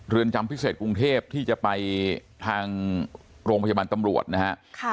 จำพิเศษกรุงเทพที่จะไปทางโรงพยาบาลตำรวจนะฮะ